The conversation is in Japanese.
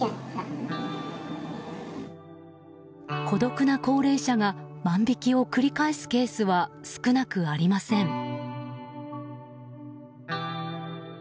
孤独な高齢者が万引きを繰り返すケースは少なくありません。